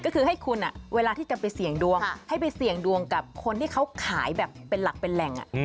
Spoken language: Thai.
ก็คือให้คุณเวลาที่จะไปเสี่ยงดวงให้ไปเสี่ยงดวงกับคนที่เขาขายแบบเป็นหลักเป็นแหล่ง